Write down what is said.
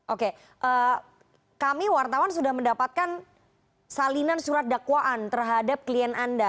oke kami wartawan sudah mendapatkan salinan surat dakwaan terhadap klien anda